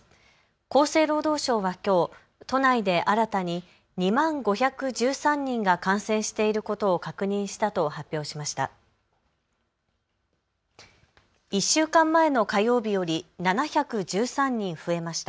厚生労働省はきょう都内で新たに２万５１３人が感染していることを確認したと発表しました。